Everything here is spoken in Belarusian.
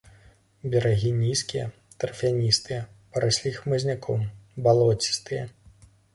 Берагі нізкія, тарфяністыя, параслі хмызняком, балоцістыя.